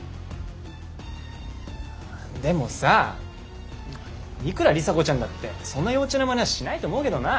でもさいくら里紗子ちゃんだってそんな幼稚なまねはしないと思うけどな。